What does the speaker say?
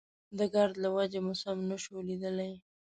د ګرد له وجې مو سم نه شو ليدلی.